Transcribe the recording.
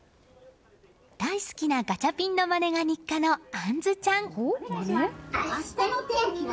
大好きなガチャピンのまねが日課の杏ちゃん。